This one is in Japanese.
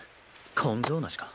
根性なしか？